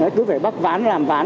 cứ phải bắt ván làm ván